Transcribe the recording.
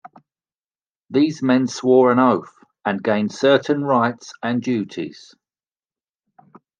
These men swore an oath and gained certain rights and duties.